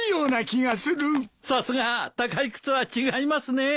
さすが高い靴は違いますね。